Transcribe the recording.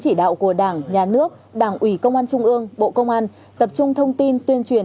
chỉ đạo của đảng nhà nước đảng ủy công an trung ương bộ công an tập trung thông tin tuyên truyền